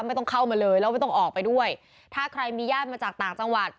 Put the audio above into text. ไม่ต้องเข้ามาเลยแล้วไม่ต้องออกไปด้วยถ้าใครมีญาติมาจากต่างจังหวัด